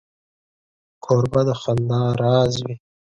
کوربه د خندا راز وي.